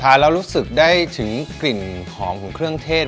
แล้วรู้สึกได้ถึงกลิ่นหอมของเครื่องเทศ